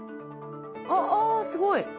あっあすごい。